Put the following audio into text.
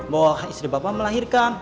bahwa istri bapak melahirkan